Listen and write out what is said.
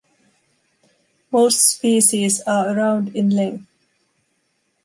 Most species are around in length.